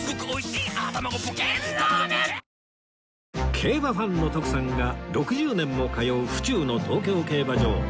競馬ファンの徳さんが６０年も通う府中の東京競馬場